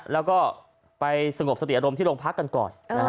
แล้วก็ไปสงบสติอารมณ์ที่โรงพักกันก่อน